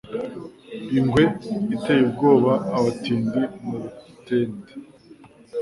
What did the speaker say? Ingwe iteye ubwoba abatindi mu mutende